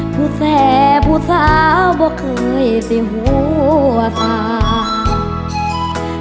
ผู้แส่ผู้สาวบอกเคยเป็นหัวสาว